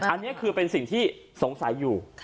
อันนี้คือเป็นสิ่งที่สงสัยอยู่